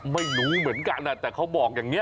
ไม่รู้เหมือนกันแต่เขาบอกอย่างนี้